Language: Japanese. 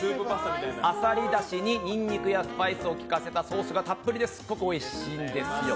アサリだしにニンニクやスパイスを利かせたソースがたっぷりですごくおいしいんですよ。